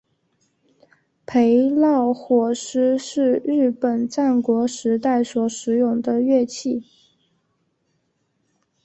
焙烙火矢是日本战国时代所使用兵器。